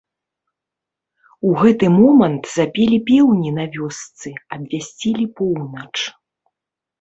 У гэты момант запелі пеўні на вёсцы, абвясцілі поўнач.